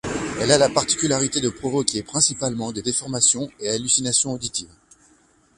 Elle a la particularité de provoquer principalement des déformations et hallucinations auditives.